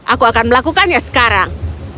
aku akan melakukannya sekarang